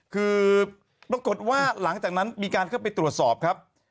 คือปรากฏว่าหลังจากนั้นมีการเข้าไปตรวจสอบครับ